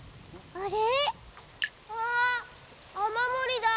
あれ？